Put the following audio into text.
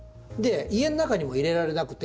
家の中にも入れられなくて。